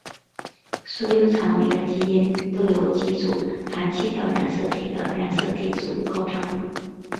所有草莓的基因都由几组含七条染色体的染色体组构成。